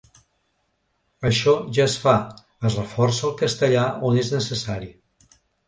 Això ja es fa: es reforça el castellà on és necessari.